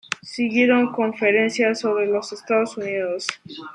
Siguieron conferencias sobre los Estados Unidos.